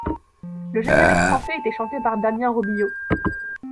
Le générique français était chanté par Damien Robillot.